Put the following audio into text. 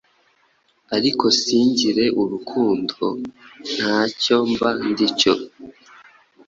ariko singire urukundo, nta cyo mba ndi cyo.